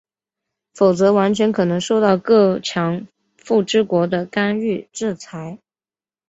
否则完全可能受到各强富之国的干预制裁。